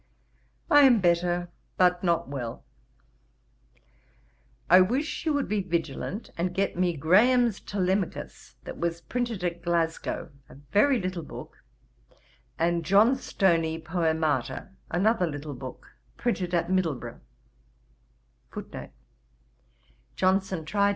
I am better, but not well. 'I wish you would be vigilant and get me Graham's Telemachus that was printed at Glasgow, a very little book; and Johnstoni Poemata, another little book, printed at Middleburgh.